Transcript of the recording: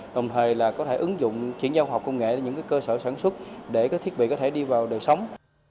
đồng thời là có thể ứng dụng chuyển giao học công nghệ đến những cơ sở sản xuất để thiết bị có thể đi vào đều sống